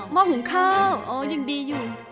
ห้อหุงข้าวอ๋อยังดีอยู่